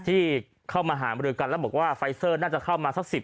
ที่เข้ามาหามรือกันแล้วบอกว่าไฟเซอร์น่าจะเข้ามาสัก๑๐